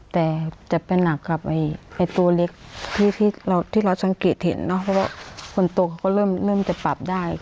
แต่จะเป็นหนักกับไอ้ตัวเล็กที่เราที่เราสังเกตเห็นเนอะเพราะว่าคนตัวเขาก็เริ่มเริ่มจะปรับได้